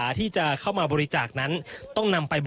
อันนี้คือเต็มร้อยเปอร์เซ็นต์แล้วนะครับ